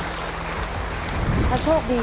ถ้าพร้อมแล้วผมเชิญพี่แมวมาต่อชีวิตเป็นคนแรกครับ